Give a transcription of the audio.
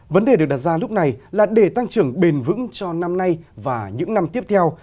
vấn đề được đặt ra lúc này là để tăng trưởng bền vững cho năm nay và những năm tiếp theo